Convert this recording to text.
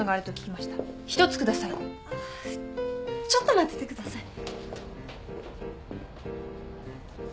あちょっと待っててください。